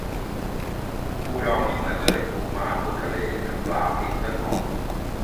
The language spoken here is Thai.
ปูดองนี่เหมือนเลย ปูม้า ปูทะเล น้ำปลา พริก ต้นหอม